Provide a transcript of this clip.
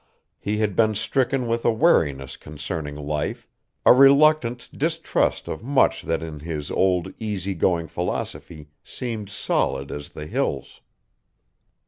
He had been stricken with a wariness concerning life, a reluctant distrust of much that in his old easy going philosophy seemed solid as the hills.